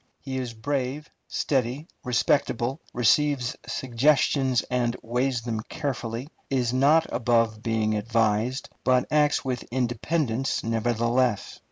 He is brave, steady, respectable; receives suggestions and weighs them carefully; is not above being advised, but acts with independence nevertheless.